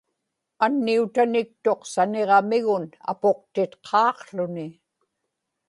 anniutaniktuq saniġamigun apuqtitqaaqłuni